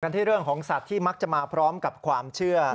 ที่เรื่องของสัตว์ที่มักจะมาพร้อมกับความเชื่อ